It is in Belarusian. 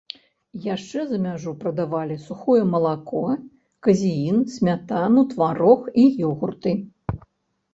Яшчэ за мяжу прадавалі сухое малако, казеін, смятану, тварог і ёгурты.